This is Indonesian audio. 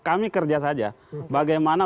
kami kerja saja bagaimana